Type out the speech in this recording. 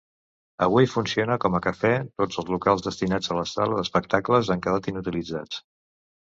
Avui funciona com a cafè; tots els locals destinats a sala d'espectacles han quedat inutilitzats.